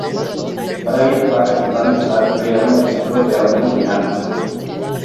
Brian va recordar més tard que era una cançó realment dinàmica.